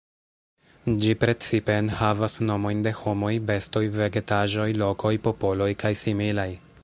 Ĝi precipe enhavas nomojn de homoj, bestoj, vegetaĵoj, lokoj, popoloj kaj similaj.